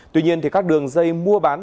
tuy nhiên các đường dây mua bán